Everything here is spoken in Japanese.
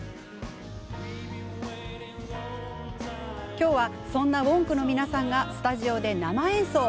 今日はそんなＷＯＮＫの皆さんがスタジオで生演奏。